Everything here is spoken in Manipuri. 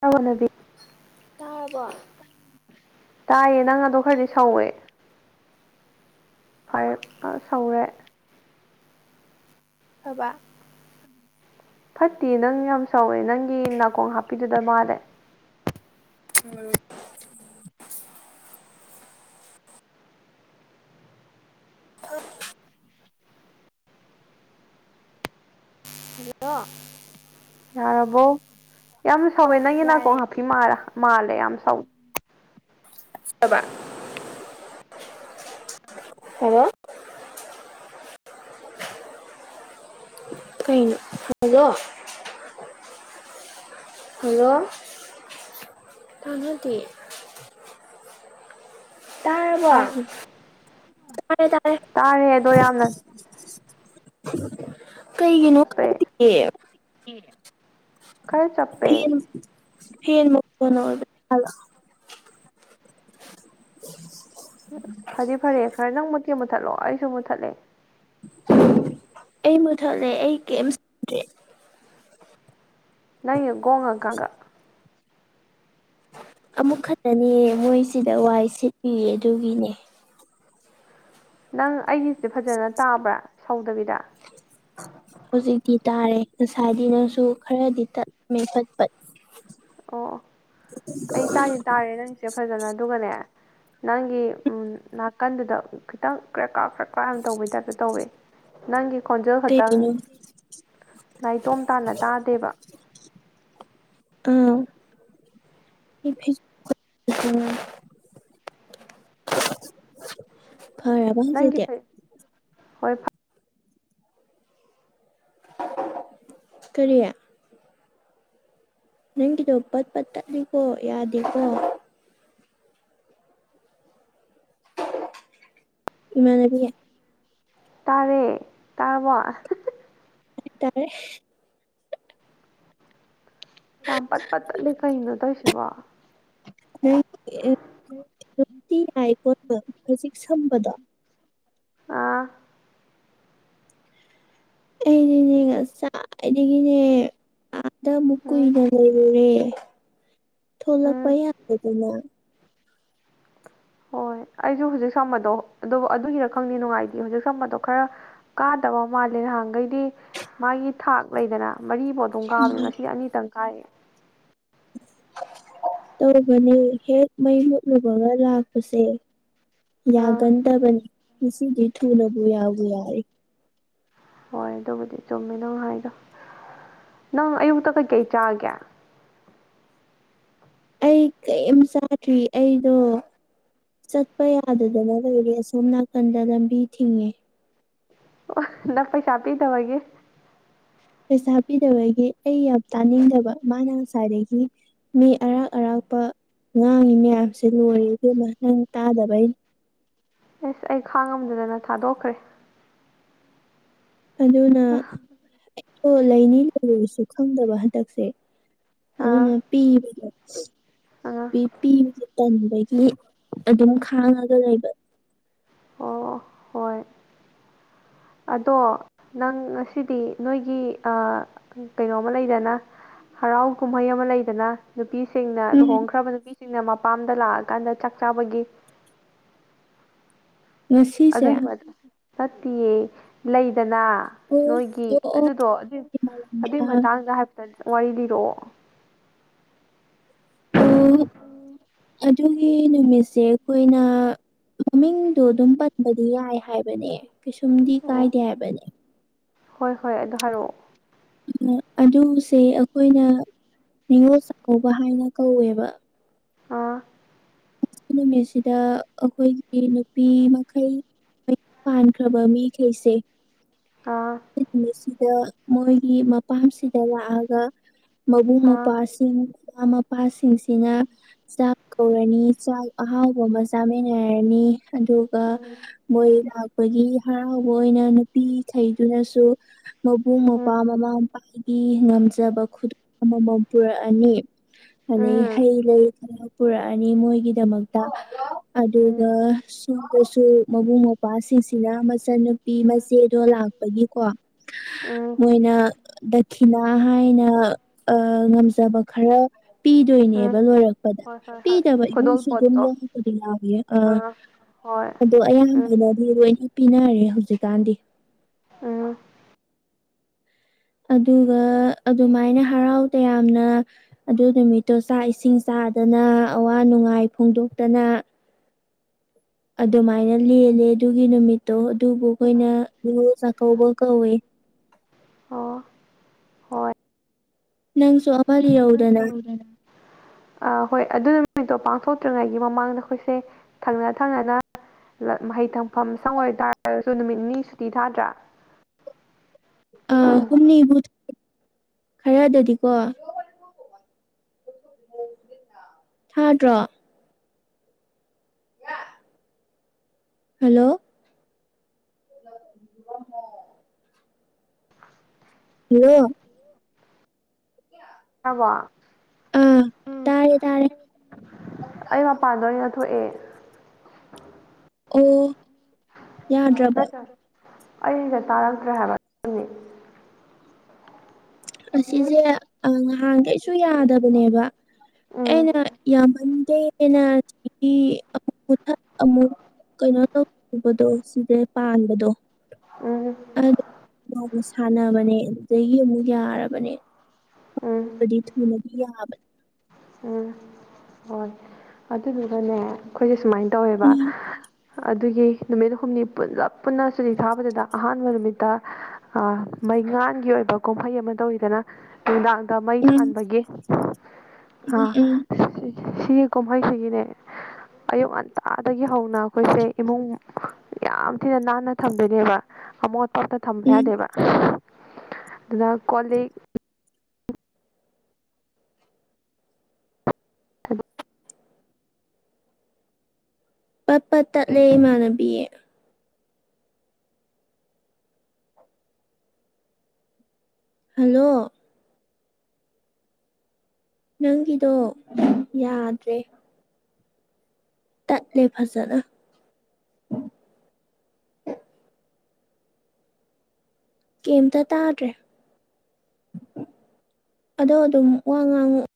ꯇꯅꯕꯤ ꯇꯥꯔꯕꯣ ꯇꯥꯏꯌꯦ ꯅꯪ ꯑꯗꯣ ꯈꯔꯗꯤ ꯁꯧꯋꯦ ꯐꯔꯞ ꯑ ꯁꯧꯔꯦ ꯊꯕ ꯐꯠꯇꯦ ꯅꯪ ꯌꯥꯝ ꯁꯧꯋꯦ ꯅꯪꯒꯤ ꯅꯥꯀꯣꯡ ꯍꯥꯞꯄꯤꯗꯨꯗ ꯃꯥꯜꯂꯦ ꯎꯝ ꯍ ꯑꯣ ꯌꯥꯔꯕꯣ ꯌꯥꯝ ꯁꯧꯋꯦ ꯅꯪꯒꯤ ꯌꯥꯔꯦ ꯅꯥꯀꯣꯡ ꯍꯥꯐꯤ ꯃꯥꯜꯂꯦ ꯌꯥꯝ ꯁꯧꯋꯦ ꯆꯕ ꯍꯂꯣ ꯀꯩꯅꯣ ꯍꯜꯂꯣ ꯍꯜꯂꯣ ꯇꯅꯗꯦ ꯇꯥꯔꯕꯣ ꯇꯥꯗꯦ. ꯇꯥꯔꯦ ꯇꯥꯔꯦ ꯇꯥꯔꯦ ꯑꯗꯣ ꯌꯥꯝꯅ ꯀꯩꯒꯤꯅꯣ ꯆꯞꯄꯦ ꯈꯪꯗꯤꯌꯦ ꯈꯔ ꯆꯞꯄꯦ ꯐꯦꯟ ꯐꯦꯟ ꯃꯈꯣꯟꯅ ꯑꯣꯏꯕꯖꯥꯠꯂꯣ ꯐꯗꯤ ꯐꯔꯦ ꯈꯔ ꯅꯪ ꯃꯨꯠꯀꯦ ꯃꯨꯠꯊꯠꯂꯣ ꯑꯩꯁꯨ ꯃꯨꯠꯊꯠꯂꯦ ꯑꯩ ꯃꯨꯊꯠꯂꯦ ꯑꯩ ꯀꯩꯝ ꯁꯥꯗ꯭ꯔꯦ ꯅꯪꯒꯤꯅ ꯒꯣꯡ ꯒ ꯒꯥꯡ ꯒ ꯑꯃꯨꯛ ꯈꯛꯇꯅꯦ ꯃꯣꯏꯁꯤꯗ ꯋꯥꯏ ꯁꯤꯠꯄꯤꯌꯦ ꯑꯗꯨꯒꯤꯅꯦ ꯅꯪ ꯑꯩꯒꯤꯁꯦ ꯐꯖꯅ ꯇꯥꯕ꯭ꯔꯥ ꯁꯧꯗꯕꯤꯗ ꯍꯧꯖꯤꯛꯇꯤ ꯇꯥꯔꯦ ꯉꯁꯥꯏꯒꯤꯅꯁꯨ ꯈꯔꯗꯤ ꯇꯠꯂꯦ ꯄꯠꯄꯠ ꯑꯣ ꯑꯣ ꯑꯩ ꯇꯥꯗꯤ ꯏꯟꯑꯣꯗꯤꯕꯜ ꯇꯥꯔꯦ ꯅꯪꯁꯦ ꯐꯖꯅ ꯑꯗꯨꯒꯅꯦ ꯅꯪꯒꯤ ꯑꯨꯝ ꯅꯥꯀꯟꯗꯨꯗ ꯈꯤꯇꯪ ꯀ꯭ꯔꯦ ꯀ꯭ꯔ ꯀ꯭ꯔꯥꯏꯝ ꯇꯧꯕꯩ ꯇꯥꯏꯞꯇ ꯇꯧꯋꯦ ꯅꯪꯒꯤ ꯈꯣꯟꯖꯦꯜ ꯈꯥꯇꯪ ꯀꯩꯒꯤꯅꯣ ꯅꯥꯏꯇꯣꯝ ꯇꯥꯅ ꯇꯥꯗꯦꯕ ꯑꯥꯎ [unintelligible] ꯅꯪꯒꯤꯕꯨ ꯍꯣꯏ ꯐꯥꯏ ꯀꯔꯤ ꯅꯪꯒꯤꯗꯣ ꯄꯠꯄꯠ ꯇꯠꯂꯤꯀꯣ ꯌꯥꯗꯦꯀꯣ ꯏꯃꯥꯟꯅꯕꯤ ꯇꯥꯔꯦ ꯇꯥꯔꯕꯣ ꯏ ꯇꯥꯔꯦ ꯌꯥꯝ ꯄꯠ ꯄꯠ ꯇꯠꯂꯦ ꯀꯩꯅꯣ ꯇꯧꯏꯁꯤꯕꯣ ꯅꯣꯏ ꯌꯥꯏ ꯄꯣꯠ ꯍꯧꯖꯤꯛ ꯁꯝꯕꯗꯣ ꯑꯥ ꯑꯩꯗꯤꯅꯦ ꯉꯁꯥꯏꯗꯒꯤꯅꯦ ꯑꯥꯗ ꯑꯃꯨꯛ ꯎꯝ ꯀꯨꯏꯅ ꯂꯩꯔꯨꯔꯦ ꯊꯣꯛꯂꯛꯄ ꯎꯝ ꯌꯥꯗꯗꯥꯅ ꯍꯣꯏ ꯑꯩꯁꯨ ꯍꯧꯖꯤꯛ ꯁꯝꯕꯗꯣ ꯑꯗꯣ ꯑꯗꯨꯒꯤꯔ ꯈꯪꯗꯦ ꯅꯨꯡꯉꯥꯏꯇꯦ ꯍꯧꯖꯤꯛ ꯁꯝꯕꯗꯣ ꯈꯔ ꯀꯥꯗꯕ ꯃꯥꯜꯂꯦ ꯅꯍꯥꯟꯒꯩꯗꯤ ꯃꯥꯒꯤ ꯊꯥꯛ ꯂꯩꯗꯅ ꯃꯔꯤꯕꯣ ꯑꯗꯨꯝ ꯀꯥꯕꯅꯦ ꯉꯁꯤꯗꯤ ꯑꯅꯤꯇꯪ ꯀꯥꯏꯌꯦ ꯇꯧꯏꯕꯅꯣ ꯍꯦꯛ ꯃꯩ ꯃꯨꯠꯂꯨꯕꯒ ꯂꯥꯛꯄꯁꯦ ꯑꯥ ꯌꯥꯒꯟꯗꯕꯅꯤ ꯉꯁꯤꯗꯤ ꯊꯨꯅꯕꯨ ꯌꯥꯕꯨ ꯌꯥꯔꯦ ꯍꯣꯏ ꯑꯗꯨꯕꯨꯗꯤ ꯆꯨꯝꯃꯦ ꯅꯪ ꯍꯥꯏꯗꯣ ꯅꯪ ꯑꯌꯨꯛꯇ ꯀꯩꯀꯩ ꯆꯥꯒꯦ ꯑꯩ ꯀꯩꯝ ꯆꯥꯗ꯭ꯔꯤ ꯑꯩꯗꯣ ꯆꯠꯄ ꯌꯥꯗꯗꯅ ꯂꯩꯔꯦ ꯑꯁꯣꯝ ꯅꯥꯀꯟꯗ ꯂꯝꯕꯤ ꯊꯤꯡꯉꯦ ꯑꯣ ꯅꯪ ꯄꯩꯁꯥ ꯄꯤꯗꯕꯒꯤ ꯄꯩꯁꯥ ꯄꯤꯗꯕꯩꯗꯤ ꯑꯩ ꯌꯥꯝ ꯇꯥꯅꯤꯡꯗꯕ ꯃꯥꯅ ꯉꯁꯥꯏꯗꯒꯤ ꯃꯤ ꯑꯔꯥꯛ ꯑꯔꯥꯛꯄ ꯉꯥꯡꯉꯤ ꯃꯌꯥꯝꯁꯦ ꯂꯣꯏꯔꯦ ꯑꯗꯦꯝꯃꯥ ꯅꯪ ꯇꯥꯗꯕꯩ ꯑꯦꯁ ꯑꯩ ꯈꯥꯡꯉꯝꯗꯗꯅ ꯊꯥꯗꯣꯛꯈ꯭ꯔꯦ ꯑꯗꯨꯅ ꯑꯥ ꯑꯩꯗꯣ ꯂꯥꯏꯅꯤ ꯂꯩꯔꯨꯔꯣꯏꯁꯨ ꯈꯪꯗꯕ ꯍꯟꯗꯛꯁꯦ ꯑꯗꯨ ꯄꯤꯕ ꯑꯥ ꯄꯤ ꯄꯤꯕ ꯇꯟꯕꯒꯤ ꯑꯗꯨꯝ ꯈꯥꯡꯉꯒ ꯂꯩꯕ ꯑꯣ ꯍꯣꯏ [unintelligible] ꯑꯗꯣ ꯅꯪ ꯉꯁꯤꯗꯤ ꯅꯣꯏꯒꯤ ꯑꯥ ꯀꯩꯅꯣꯝꯃ ꯂꯩꯗꯅ ꯍꯔꯥꯎ ꯀꯨꯝꯍꯩ ꯑꯃ ꯂꯩꯗꯅ ꯅꯨꯄꯤꯁꯤꯡꯅ ꯎꯝ ꯂꯨꯍꯣꯡꯈ꯭ꯔꯕ ꯅꯨꯄꯤꯁꯤꯡꯅ ꯃꯄꯥꯝꯗ ꯂꯥꯛꯑꯀꯥꯟꯗ ꯆꯥꯛ ꯆꯥꯕꯒꯤ ꯉꯁꯤꯁꯦ ꯑꯗꯨꯒꯤ ꯃꯇꯨꯡ ꯆꯠꯇꯤꯌꯦ ꯂꯩꯗꯅ ꯑꯣ ꯅꯣꯏꯒꯤ ꯑꯣ ꯑꯗꯨꯗꯣ ꯑꯗꯨ ꯑꯗꯨꯏ ꯑꯣ ꯃꯇꯥꯡꯗ ꯍꯥꯏ ꯋꯥꯔꯤ ꯂꯤꯔꯛꯑꯣ ꯑꯣ ꯑꯗꯨꯒꯤ ꯅꯨꯃꯤꯠꯁꯦ ꯑꯩꯈꯣꯏꯅ ꯃꯃꯤꯡꯗꯣ ꯑꯗꯨꯝ ꯄꯟꯕꯗꯤ ꯌꯥꯏ ꯍꯥꯏꯕꯅꯦ ꯀꯩꯁꯨꯝꯗꯤ ꯑꯣ ꯀꯥꯏꯗꯦ ꯍꯥꯏꯕꯅꯦ ꯍꯣꯏ ꯍꯣꯏ ꯑꯗꯨ ꯍꯥꯏꯔꯛꯑꯣ ꯑꯗꯨꯁꯦ ꯑꯩꯈꯣꯏꯅ ꯅꯤꯉꯣꯜ ꯆꯥꯛꯀꯧꯕ ꯍꯥꯏꯅ ꯀꯧꯋꯦꯕ ꯑꯥ ꯌꯧꯒꯤꯛꯀꯤ ꯅꯨꯃꯤꯠꯁꯤꯗ ꯑꯩꯈꯣꯏꯒꯤ ꯅꯨꯄꯤ ꯃꯈꯥꯜ ꯃꯌꯨꯝ ꯄꯥꯟꯈ꯭ꯔꯕ ꯃꯤꯈꯩꯁꯦ ꯑꯥ ꯅꯨꯃꯤꯠꯁꯤꯗ ꯃꯣꯏꯒꯤ ꯃꯄꯥꯝꯁꯤꯗ ꯂꯥꯛꯑꯒ ꯃꯕꯨꯡ ꯑꯥ ꯃꯧꯄ꯭ꯋꯥꯁꯤꯡ ꯃꯃꯥ ꯃꯄꯥꯁꯤꯡꯁꯤꯅ ꯆꯥꯛ ꯀꯧꯔꯅꯤ ꯆꯥꯛ ꯑꯍꯥꯎꯕ ꯑꯃ ꯆꯥꯃꯤꯟꯅꯔꯅꯤ ꯑꯗꯨ ꯎꯝ ꯃꯣꯏ ꯂꯥꯛꯄꯒꯤ ꯍꯔꯥꯎꯕ ꯑꯣꯏꯅ ꯅꯨꯄꯤ ꯊꯩꯗꯨꯅꯁꯨ ꯃꯕꯨꯡ ꯃꯧꯄ꯭ꯋꯥ ꯃꯃꯥ ꯃꯄꯥꯒꯤ ꯉꯝꯖꯕ ꯈꯨꯗꯣ ꯑꯃꯃꯝ ꯄꯨꯔꯛꯑꯅꯤ ꯑꯗꯩ ꯎꯝ ꯍꯩ ꯂꯩ ꯈꯔ ꯄꯨꯔꯛꯑꯅꯤ ꯃꯣꯏꯒꯤꯗꯃꯛꯇ ꯎꯝ ꯎꯝ ꯑꯗꯨꯒ ꯁꯒꯁꯨ ꯃꯕꯨꯡ ꯃꯧ꯭ꯋꯥꯁꯤꯡꯁꯤꯅ ꯃꯆꯟꯅꯨ ꯄꯤ ꯃꯆꯦꯗꯣ ꯂꯥꯛꯄꯒꯤꯀꯣ ꯎꯝ ꯃꯣꯏꯅ ꯗꯈꯤꯅꯥ ꯍꯥꯏꯅ ꯉꯝꯖꯕ ꯈꯔ ꯄꯤꯗꯣꯏꯅꯦꯕ ꯎꯝ ꯂꯣꯏꯔꯛꯄꯗ ꯍꯣꯏ ꯍꯣꯏ ꯍꯣꯏ ꯄꯤꯗꯕ ꯏꯃꯨꯡꯁꯨ ꯑꯗꯨꯝ ꯈꯨꯗꯣꯜꯄꯣꯠꯇꯣ ꯌꯥꯎꯔꯛꯄꯗꯤ ꯌꯥꯎꯏꯦ ꯑ ꯑꯥ ꯍꯣꯏ ꯑꯗꯣ ꯎꯝ ꯑꯌꯥꯝꯕꯅꯗꯤ ꯂꯣꯏꯅ ꯄꯤꯅꯔꯦ ꯍꯧꯖꯤꯛꯀꯥꯟꯗꯤ ꯎꯝ ꯑꯗꯨꯒ ꯑꯗꯨꯃꯥꯏꯅ ꯍꯔꯥꯎ ꯇꯌꯥꯝꯅ ꯑꯗꯨ ꯅꯨꯃꯤꯠꯇꯣ ꯆꯥꯛ ꯏꯁꯤꯡ ꯆꯥꯗꯅ ꯑꯋꯥ ꯅꯨꯡꯉꯥꯏ ꯐꯣꯡꯗꯣꯛꯇꯅ ꯑꯗꯨꯃꯥꯏꯅ ꯂꯦꯜꯂꯦ ꯑꯗꯨꯒꯤ ꯅꯨꯃꯤꯠꯇꯣ ꯑꯗꯨꯕꯨ ꯑꯩꯈꯣꯏꯅ ꯅꯤꯉꯣꯜ ꯆꯥꯛꯀꯧꯕ ꯀꯧꯋꯦ ꯑꯣ ꯅꯪꯁꯨ ꯑꯃ ꯂꯤꯔꯧꯗꯅ ꯌꯥꯔꯅ ꯍꯣꯏ ꯑꯗꯨꯅ ꯅꯨꯃꯤꯠꯇꯣ ꯄꯥꯡꯊꯣꯛꯇ꯭ꯔꯤꯉꯩꯒꯤ ꯃꯃꯥꯡꯗ ꯑꯩꯈꯣꯏꯁꯦ ꯊꯪꯅ ꯊꯪꯅꯅ ꯃꯍꯩ ꯊꯝꯐꯝ ꯁꯪ ꯑꯣꯏ ꯇꯥꯔꯒꯁꯨ ꯅꯨꯃꯤꯠ ꯅꯤ ꯁꯨꯇꯤ ꯊꯥꯗ꯭ꯔꯥ ꯑ ꯍꯨꯝꯅꯤꯕꯨ ꯈꯔꯗꯗꯤꯀꯣ ꯊꯥꯗ꯭ꯔꯣ ꯍꯜꯂꯣ [unintelligible] ꯍꯜꯂꯣ ꯇꯕꯣ ꯑꯥ ꯎꯝ ꯇꯥꯔꯦ ꯇꯥꯔꯦ ꯑꯩ ꯃꯄꯥꯟꯗ ꯑꯣꯏꯅ ꯊꯣꯛꯑꯦ ꯑꯣ ꯌꯥꯗ꯭ꯔꯕ ꯅꯠꯇ꯭ꯔ ꯑꯩꯗ ꯇꯥꯔꯛꯇ꯭ꯔꯦ ꯍꯥꯏꯕ [unintelligible] ꯑꯁꯤꯁꯦ ꯉꯍꯥꯟ ꯀꯩꯁꯨ ꯌꯥꯗꯕꯅꯦꯕ ꯎꯝ ꯑꯩꯅ ꯌꯥꯝꯃꯟꯗꯦꯅ ꯆꯊ ꯑꯃꯨꯛ [unintelligible] ꯀꯩꯅꯣ ꯇꯧꯕꯗꯣ ꯁꯤꯁꯦ ꯄꯥꯟꯕꯗꯣ ꯎꯝ ꯑ ꯃꯥꯅ ꯁꯥꯟꯅꯕꯅꯦ ꯑꯗꯨꯗꯒꯤ ꯑꯃꯨꯛ ꯌꯥꯔꯕꯅꯦ ꯎꯝ ꯗꯤ ꯊꯅ [unintelligible] [unintelligible] ꯎꯝ ꯍꯣꯏ ꯑꯗꯨꯗꯨꯒꯅꯦ ꯑꯩꯈꯣꯏꯁꯦ ꯁꯨꯃꯥꯏꯅ ꯇ ꯇꯧꯋꯦꯕ ꯎꯝ ꯑꯗꯨꯒꯤ ꯅꯨꯃꯤꯠ ꯍꯨꯝꯅꯤ ꯄꯨꯜꯂꯞ ꯄꯨꯟꯅ ꯆꯨꯇꯤ ꯊꯥꯕꯗꯨꯗ ꯑꯍꯥꯟꯕ ꯅꯨꯃꯤꯠꯇ ꯃꯩꯉꯥꯥꯟꯒꯤ ꯑꯣꯏꯕ ꯀꯨꯝꯍꯩ ꯑꯃ ꯇꯧꯋꯤꯗꯅ ꯅꯨꯡꯗꯥꯡꯗ ꯃꯩ ꯎꯝ ꯊꯥꯟꯕꯒꯤ ꯎꯝ ꯑꯥ ꯎꯝ ꯁꯤꯒꯤ ꯀꯨꯝꯍꯩꯁꯤꯒꯤꯅꯦ ꯑꯌꯨꯛ ꯉꯟꯇꯥꯗꯒꯤ ꯍꯧ ꯅꯥ ꯑꯩꯈꯣꯏꯁꯦ ꯏꯃꯨꯡ ꯌꯥꯝ ꯊꯤꯅ ꯅꯥꯟꯅ ꯊꯝꯗꯣꯏꯅꯦꯕ ꯑꯃꯣꯠ ꯄꯥꯠꯇ ꯊꯝꯕ ꯎꯝ ꯌꯥꯗꯦꯕ ꯑꯗꯨꯗ ꯀꯣꯜꯂꯤꯛ ꯄꯠ ꯄꯠ ꯇꯠꯂꯦ ꯏꯃꯥꯟꯅꯕꯤ꯫ ꯍꯜꯂꯣ ꯅꯪꯒꯤꯗꯣ ꯌꯥꯗ꯭ꯔꯦ ꯇꯠꯂꯦ ꯐꯖꯅ ꯀꯦꯝꯇ ꯇꯥꯗ꯭ꯔꯦ ꯑꯗꯣ ꯑꯗꯨꯝ ꯋꯥ ꯉꯥꯡꯉꯛꯑꯣ